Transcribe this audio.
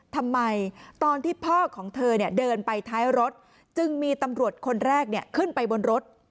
ทำไมตอนที่พ่อของเธอเดินไปท้ายรถจึงมีตำรวจคนแรกขึ้นไปบนรถ